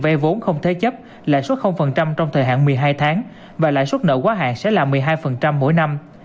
vay vốn không thế chấp lãi suất trong thời hạn một mươi hai tháng và lãi suất nợ quá hạn sẽ là một mươi hai mỗi năm